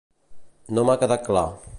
No m'ha quedat clar.